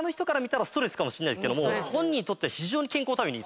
本人にとっては。